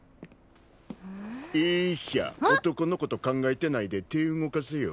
えひゃ男のこと考えてないで手動かせよ。